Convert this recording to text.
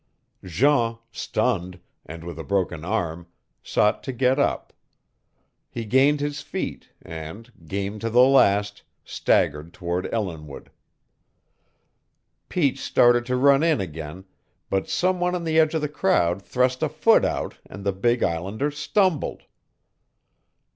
Jean, stunned, and with a broken arm, sought to get up. He gained his feet and, game to the last, staggered toward Ellinwood. Pete started to run in again, but some one on the edge of the crowd thrust a foot out and the big islander stumbled.